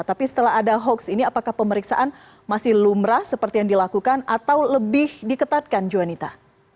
tapi setelah ada hoax ini apakah pemeriksaan masih lumrah seperti yang dilakukan atau lebih diketatkan juanita